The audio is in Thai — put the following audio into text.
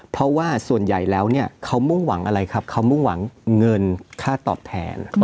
เพราะว่าส่วนใหญ่แล้วเนี่ยเขามุ่งหวังอะไรครับเขามุ่งหวังเงินค่าตอบแทน